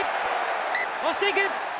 押していく！